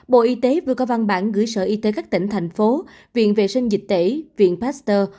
bộ y tế vừa có văn bản gửi sở y tế các tỉnh thành phố viện vệ sinh dịch tễ viện pasteur